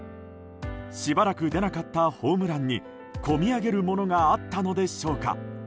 しばらく出なかったホームランにこみ上げるものがあったのでしょうか。